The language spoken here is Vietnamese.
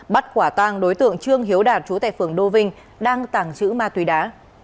bắt quả tang đối tượng trương hiếu đạt chú tệ phường đô vinh đang tàng giữ ma túy đá